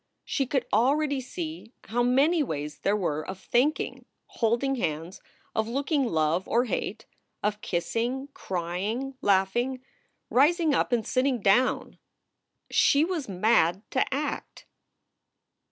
She could already see how many ways there were of thinking, holding hands, of looking love or hate, of kissing, crying, laughing, rising up and sitting down. She was mad to act.